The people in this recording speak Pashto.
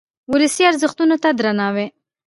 ولسي ارزښتونو ته درناوی.